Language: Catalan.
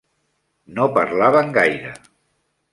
No parlaven gaire.